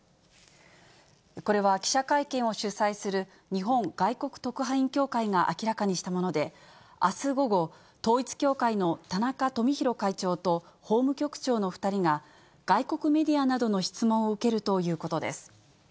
これは記者会見を主催する日本外国特派員協会が明らかにしたもので、あす午後、統一教会の田中富広会長と、法務局長の２人が、外国メディアなどの質問を受けるということです。